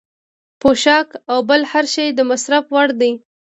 پوښاک او بل هر شی د مصرف وړ دی.